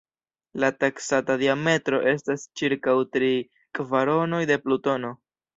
La taksata diametro estas ĉirkaŭ tri kvaronoj de Plutono.